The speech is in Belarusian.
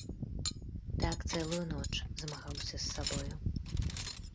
Так цэлую ноч змагаўся з сабой.